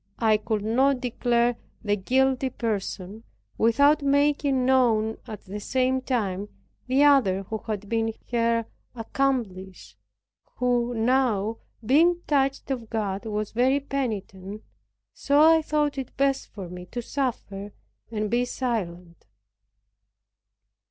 I could not declare the guilty person, without making known at the same time the other who had been her accomplice, who now, being touched of God, was very penitent, I thought it best for me to suffer and be silent.